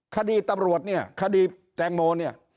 คดีตำรวจเนี่ยคดีแตงโมเนี่ย